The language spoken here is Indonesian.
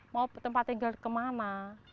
mau tempat tinggal kemana